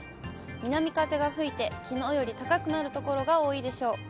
南風が吹いて、きのうより高くなる所が多いでしょう。